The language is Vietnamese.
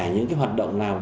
những cái hoạt động nào